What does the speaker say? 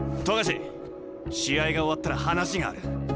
冨樫試合が終わったら話がある。